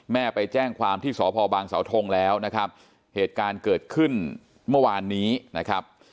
ไปแจ้งความที่สพบางสาวทงแล้วนะครับเหตุการณ์เกิดขึ้นเมื่อวานนี้นะครับ